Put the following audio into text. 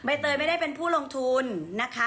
เตยไม่ได้เป็นผู้ลงทุนนะคะ